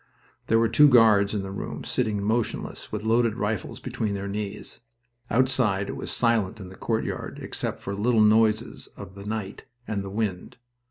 There were two guards in the room, sitting motionless, with loaded rifles between their knees. Outside it was silent in the courtyard, except for little noises of the night and the wind.